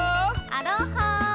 アロハー！